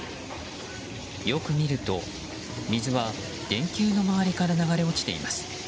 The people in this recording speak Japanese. よく見ると、水は電球の周りから流れ落ちています。